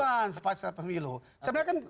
menjadi korban pasca pemilu